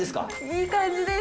いい感じです。